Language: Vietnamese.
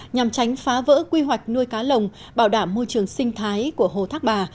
nhằm tránh phá vỡ quy hoạch nuôi cá lồng bảo đảm môi trường sinh thái của hồ thác bà